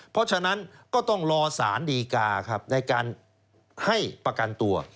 เพราะฉะนั้นก็ต้องรอสารดีกาครับในการให้ประกันตัว